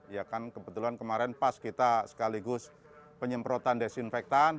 ya kan kebetulan kemarin pas kita sekaligus penyemprotan desinfektan